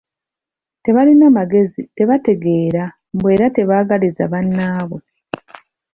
Tebalina magezi, tebategeera, mbu era tebaagaliza bannaabwe.